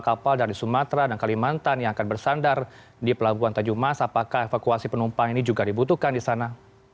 kapal dari sumatera dan kalimantan yang akan bersandar di pelabuhan tanjung mas apakah evakuasi penumpang ini juga dibutuhkan di sana